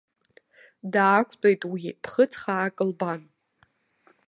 Даақәтәеит уи, ԥхыӡ хаак лбан.